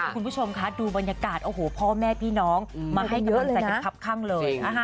คุณผู้ชมค่ะดูบรรยากาศพ่อแม่พี่น้องมาให้กำลังใส่เก็บคับข้างเลย